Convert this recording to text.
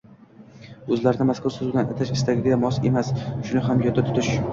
o‘zlarini mazkur so‘z bilan atash istagiga mos emas. Shuni ham yodda tutish